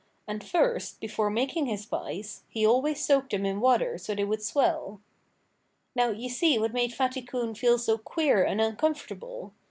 And first, before making his pies, he always soaked them in water so they would swell. Now you see what made Fatty Coon feel so queer and uncomfortable.